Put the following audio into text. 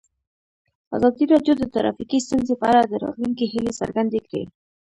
ازادي راډیو د ټرافیکي ستونزې په اړه د راتلونکي هیلې څرګندې کړې.